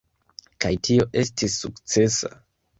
Kaj tio estis sukcesa.